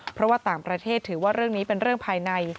เพราะว่าต่างประเทศถือว่าเรื่องนี้เป็นเรื่องภายใน